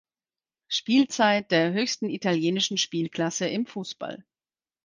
Spielzeit der höchsten italienischen Spielklasse im Fußball.